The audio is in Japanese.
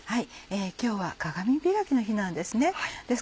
今日は鏡開きの日なんですね。